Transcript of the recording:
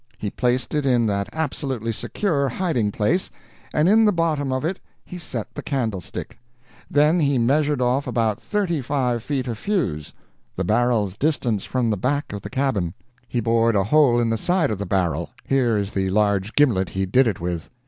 He placed it in that absolutely secure hiding place, and in the bottom of it he set the candlestick. Then he measured off about thirty five feet of fuse the barrel's distance from the back of the cabin. He bored a hole in the side of the barrel here is the large gimlet he did it with.